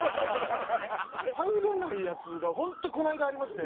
入れないやつが本当この間ありまして。